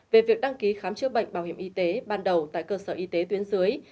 về việc đăng ký khám chữa bệnh bảo hiểm y tế ban đầu tại cơ sở y tế tuyến dưới